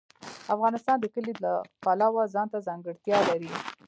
افغانستان د کلي د پلوه ځانته ځانګړتیا لري.